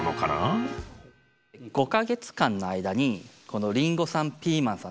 ５か月間の間にこのりんごさんピーマンさん